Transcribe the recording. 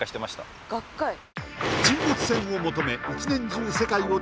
沈没船を求め